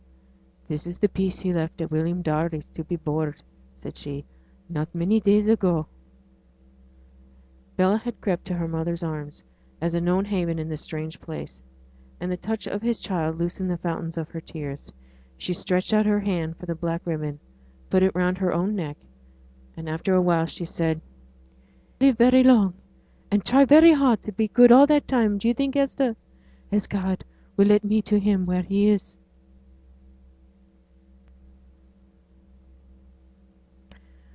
'This is the piece he left at William Darley's to be bored,' said she, 'not many days ago.' Bella had crept to her mother's arms as a known haven in this strange place; and the touch of his child loosened the fountains of her tears. She stretched out her hand for the black ribbon, put it round her own neck; after a while she said, 'If I live very long, and try hard to be very good all that time, do yo' think, Hester, as God will let me to him where he is?'